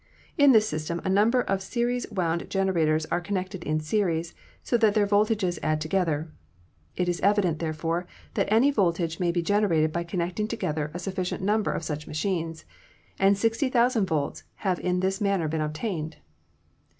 In this system a number of series wound generators are connected in series, so that their voltages add together. It is evident, therefore, that any voltage may be generated by connecting together a sufficient num ber of such machines, and 60,000 volts have in this man ner been obtained.